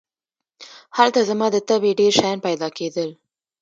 هلته زما د طبعې ډېر شیان پیدا کېدل.